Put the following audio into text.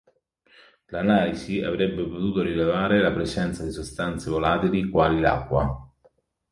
L'analisi avrebbe potuto rilevare la presenza di sostanze volatili quali l'acqua.